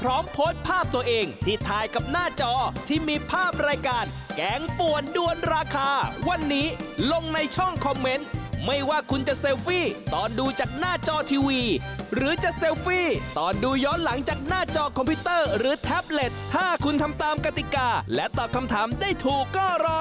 ๓หมูพันธุ์สาหร่าย๑๕กรัม๑๕ชิ้นต่อแพ็ค